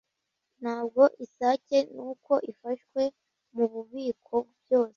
ntabwo isake nuko ifashwe mububiko byose